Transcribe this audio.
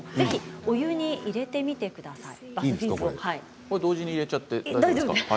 お湯に入れてみてください。